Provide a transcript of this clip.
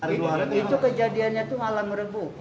itu kejadiannya itu malam rebu